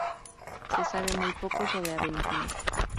Se sabe muy poco sobre Aventino.